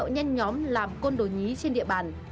nhóm làm côn đồ nhí trên địa bàn